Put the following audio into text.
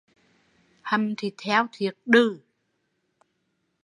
Hầm thịt heo thiệt đừ